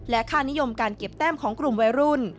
ค่านิยมการเก็บแต้มของกลุ่มวัยรุ่น